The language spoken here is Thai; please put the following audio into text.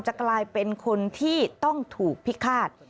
กลายเป็นคนที่ต้องถูกพิฆาต